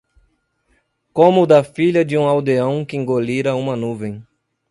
Como o da filha de um aldeão que engolira uma nuvem